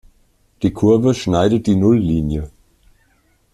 Die Kurve schneidet die Nulllinie.